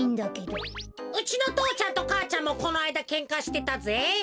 うちの父ちゃんと母ちゃんもこのあいだケンカしてたぜ。